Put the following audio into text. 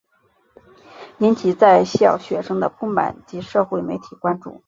引起在校学生的不满及社会媒体关注。